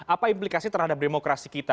apa implikasi terhadap demokrasi kita